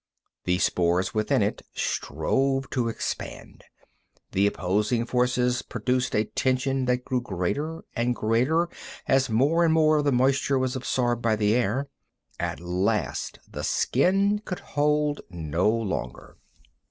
The spores within it strove to expand. The opposing forces produced a tension that grew greater and greater as more and more of the moisture was absorbed by the air. At last the skin could hold no longer.